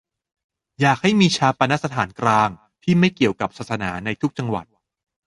อยากให้มีฌาปนสถานกลางที่ไม่เกี่ยวกับศาสนา ในทุกจังหวัด